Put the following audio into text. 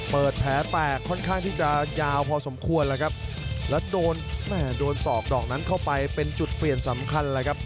เปิดแผลแตกค่อนข้างที่จะยาวพอสมควรแล้วครับแล้วโดนแม่โดนศอกดอกนั้นเข้าไปเป็นจุดเปลี่ยนสำคัญเลยครับ